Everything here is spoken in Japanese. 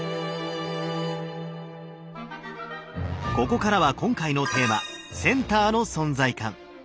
ここからは今回のテーマ「センターの存在感」。